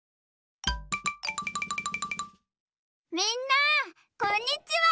みんなこんにちは！